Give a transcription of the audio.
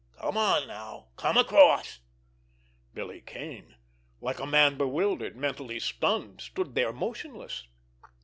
Come on now, come across!" Billy Kane, like a man bewildered, mentally stunned, stood there motionless.